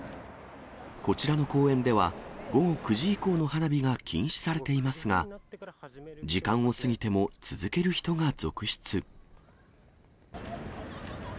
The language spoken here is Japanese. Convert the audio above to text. こちらの公園では、午後９時以降の花火が禁止されていますが、時間を過ぎても続ける人が続出。